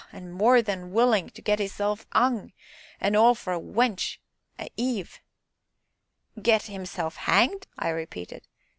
an' more than willin' to get 'isself 'ung, an' all for a wench a Eve " "Get himself hanged?" I repeated.